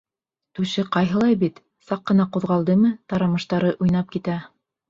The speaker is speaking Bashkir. Түше ҡайһылай бит, саҡ ҡына ҡуҙғалдымы, тарамыштары уйнап китә.